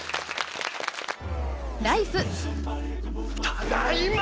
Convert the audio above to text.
ただいま！